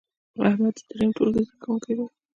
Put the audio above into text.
احمد د دریم ټولګې زده کوونکی دی.